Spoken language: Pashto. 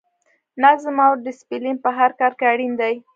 نظم او ډسپلین په هر کار کې اړین دی.